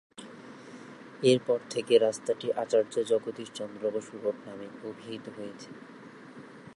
এর পর থেকে রাস্তাটি আচার্য জগদীশচন্দ্র বসু রোড নামে অভিহিত হয়েছে।